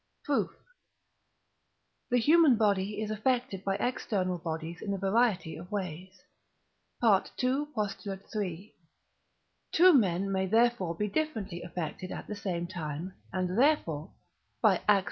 Proof. The human body is affected by external bodies in a variety of ways (II. Post. iii.). Two men may therefore be differently affected at the same time, and therefore (by Ax.